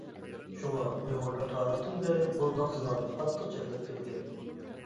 شۇڭا، ئۇيغۇرلار تارىختىن بېرى بۇنداق زىنانى قاتتىق چەكلەپ كەلگەن.